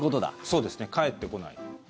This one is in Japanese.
そうですね返ってこない。